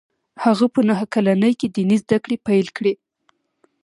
هغه په نهه کلنۍ کې ديني زده کړې پیل کړې